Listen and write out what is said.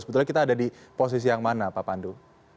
sebetulnya kita ada di posisi yang mana pak pandu